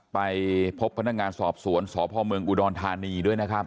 ไปพบพนักงานสอบสวนสพเมืองอุดรธานีด้วยนะครับ